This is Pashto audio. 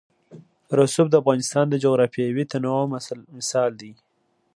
رسوب د افغانستان د جغرافیوي تنوع مثال دی.